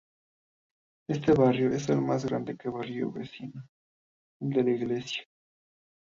Este barrio es algo más grande que su barrio vecino, el de la Iglesia.